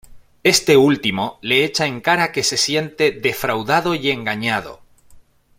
Este último le echa en cara que se siente defraudado y engañado.